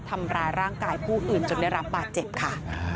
ทำร้ายร่างกายผู้อื่นจนได้รับบาดเจ็บค่ะ